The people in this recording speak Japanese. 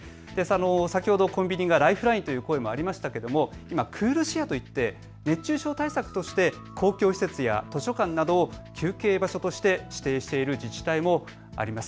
先ほどコンビニがライフラインという声もありましたけれどクールシェアといって熱中症対策として公共施設や図書館などを休憩場所として指定している自治体もあります。